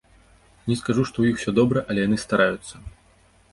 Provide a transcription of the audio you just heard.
Не скажу, што ў іх усё добра, але яны стараюцца.